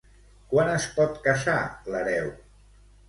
Quan es pot casar l'hereu?